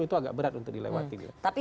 itu agak berat untuk dilewati gitu